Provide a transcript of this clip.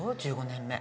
１５年目。